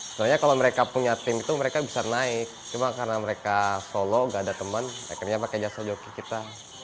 sebenarnya kalau mereka punya tim itu mereka bisa naik cuma karena mereka solo gak ada teman mereka pakai jasa joki kita